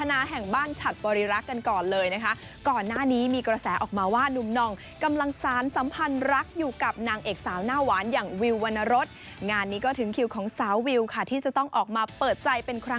งานนี้เจ้าตัวจะว่ายังไงไปฟังกันค่ะ